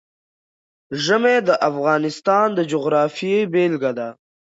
ژمی د افغانستان د جغرافیې بېلګه ده.